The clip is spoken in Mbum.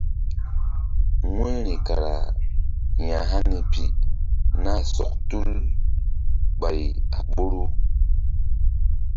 Wu̧yri kara ya̧hani pi nah sɔk tul ɓay a ɓoru.